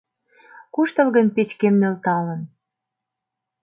Куштылгын печкем нӧлталын